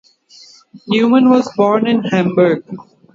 Neumann was born in Hamburg.